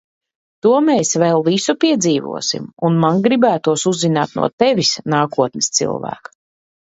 To mēs vēl visu piedzīvosim! Un man gribētos uzzināt no tevis, nākotnes cilvēk.